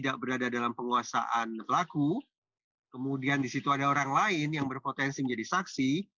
kemudian disitu ada orang lain yang berpotensi menjadi saksi